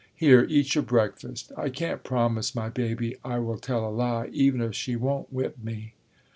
"Here, eat your breakfast, I can't promise my baby I will tell a lie, even if she won't whip me."